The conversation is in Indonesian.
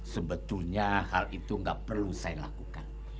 sebetulnya hal itu nggak perlu saya lakukan